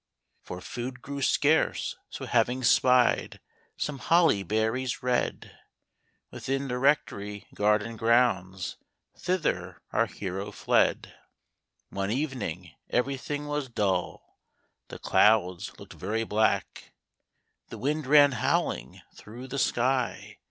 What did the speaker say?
For food grew scarce ; so hav ing spied Some holly berries red Within the Rectory garden grounds, Thither our hero fled. One evening everything was dull, The clouds looked very black, The wind ran howling through the sky